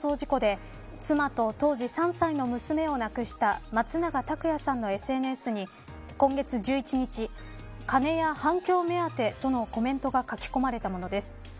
この事件は２０１９年東京、池袋で起きた暴走事故で妻と当時３歳の娘を亡くした松永拓也さんのＳＮＳに今月１１日金や反響目当てとのコメントが書き込まれたものです。